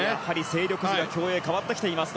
勢力図が競泳変わってきています。